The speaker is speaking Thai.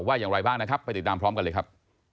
อย่างไรบ้างนะครับไปติดตามพร้อมกันเลยครับ